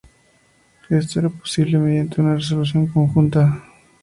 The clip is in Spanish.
Esto era posible mediante una resolución conjunta.